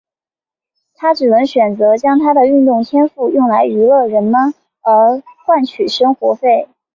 他只能选择将他的运动天赋用来娱乐人们而换取生活费。